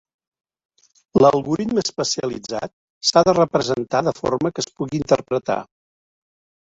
L'algoritme especialitzat s'ha de representar de forma que es pugui interpretar.